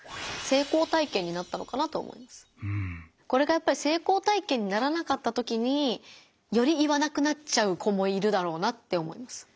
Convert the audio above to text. これがやっぱり成功体験にならなかったときにより言わなくなっちゃう子もいるだろうなって思います。